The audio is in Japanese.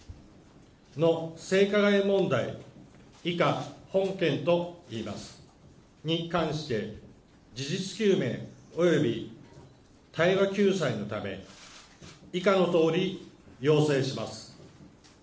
の性加害問題、以下、本件といいます。に関して、事実究明および対話救済のため、以下のとおり、要請します。